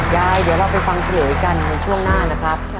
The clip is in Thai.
ยายเดี๋ยวเราไปฟังเฉลยกันในช่วงหน้านะครับ